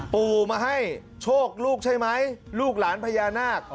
ปู่มาให้โชคลูกใช่ไหมลูกหลานพญานาค